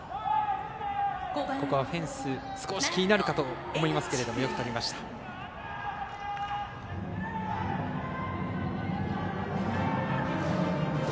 ここはフェンス少し気になるかと思いますがよくとりました。